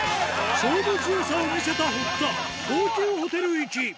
勝負強さを見せた堀田、高級ホテル行き。